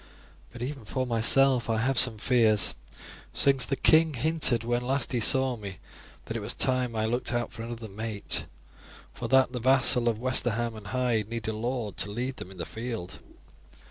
But even for myself I have some fears, since the king hinted, when last he saw me, that it was time I looked out for another mate, for that the vassal of Westerham and Hyde needed a lord to lead them in the field.